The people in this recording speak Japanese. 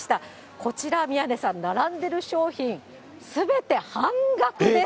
こちら、宮根さん、並んでる商品、すべて半額です。